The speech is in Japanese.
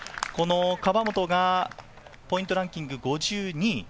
河本がポイントランキング５２位。